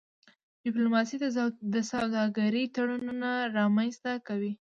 ډيپلوماسي د سوداګرۍ تړونونه رامنځته کوي.